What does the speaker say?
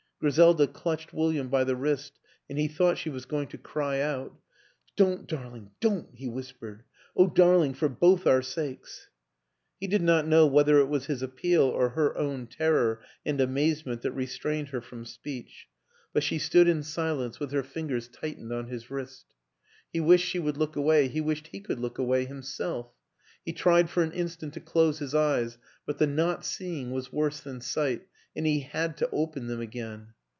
... Griselda clutched William by the wrist and he thought she was going to cry out. "Don't, darling, don't!" he whispered. " O'h, darling, for both our sakes! "... He did not know whether it was his appeal or her own terror and amazement that restrained her from speech but she stood in silence with her WILLIAM AN ENGLISHMAN 107 fingers tightened on his wrist. He wished she would look away, he wished he could look away himself; he tried for an instant to close his eyes, but the not seeing was worse than sight, and he had to open them again.